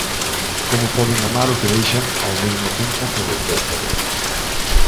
Como poden amar o que deixan ao mesmo tempo que o detestan?